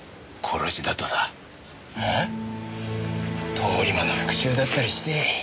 通り魔の復讐だったりして。